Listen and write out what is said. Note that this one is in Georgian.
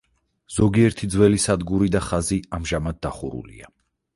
ზოგიერთი ძველი სადგური და ხაზი ამჟამად დახურულია.